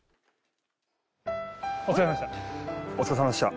お疲れさまでした。